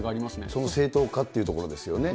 その正当化というところですよね。